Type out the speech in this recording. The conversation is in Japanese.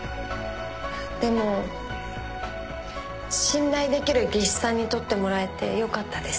信頼できる技師さんに撮ってもらえてよかったです。